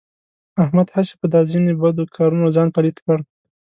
احمد هسې په دا ځنې بدو کارونو ځان پلیت کړ.